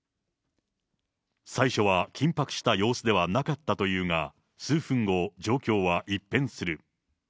最初は緊迫した様子ではなかったというが、数分後、状況は一変する。